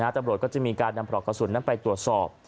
ตำรวจก็จะมีการนำปลอกกระสุนนั้นไปตรวจสอบ